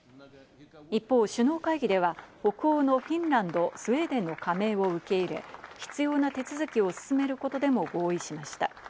一方、首脳会議では北欧のフィンランド、スウェーデンの加盟を受け入れ、必要な手続きを進めることでも合意しました。